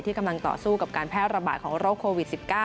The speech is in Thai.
กำลังต่อสู้กับการแพร่ระบาดของโรคโควิด๑๙